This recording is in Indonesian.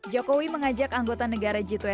jokowi mengajak anggota negara g dua puluh